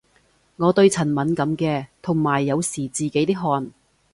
我對塵敏感嘅，同埋有時自己啲汗